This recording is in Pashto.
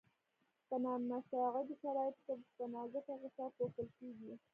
په نامساعدو شرایطو کې په نازکه غشا پوښل کیږي.